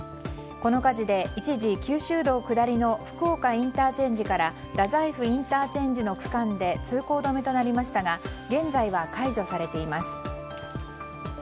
この火事で一時、九州道下りの福岡ＩＣから大宰府ＩＣの区間で通行止めとなりましたが現在は解除されています。